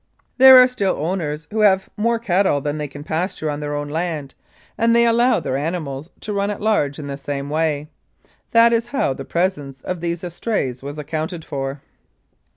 There are still owners who have more cattle than they can pasture on their own land, and they allow their animals to run at large in the same way. That is how the presence of these estrays was accounted for.